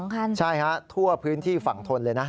๒๒คันใช่ครับทั่วพื้นที่ฝั่งทนเลยนะ